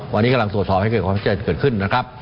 วันนี้กำลังสวดสอบให้ความสิ้นเกิดขึ้นนะครับ